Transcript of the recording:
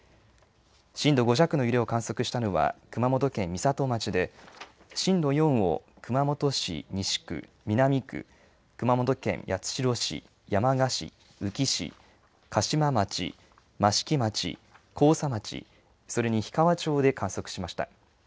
震度５弱の揺れを観測したのは熊本県美里町で、震度４を熊本市、西区、南区、熊本県八代市、山鹿市、宇城市、嘉島町、益城町、甲佐町、それに氷川町で観測しました。